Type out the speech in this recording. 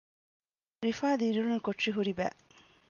ރިފާ ދިރިއުޅުނު ކޮޓަރި ހުރި ބައި